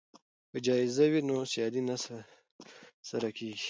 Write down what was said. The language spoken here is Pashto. که جایزه وي نو سیالي نه سړه کیږي.